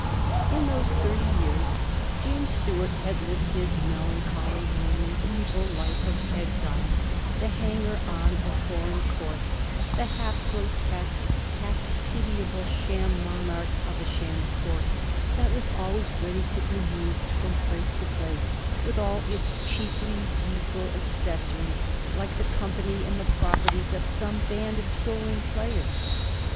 In those thir ty years James Stuart had lived his melancholy, lonely, evil life of exile, the hanger on of foreign courts, the half grotesque, half pitiable, sham monarch of a sham court, that was always ready to be moved from place to place, with all its cheaply regal accessaries, like the company and the properties of some band of strolling players.